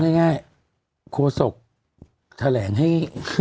พูดง่ายครัวศกแถลงให้